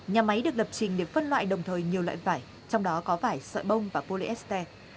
nhà máy được lập trình để phân loại đồng thời nhiều loại vải trong đó có vải sợi bông và polyester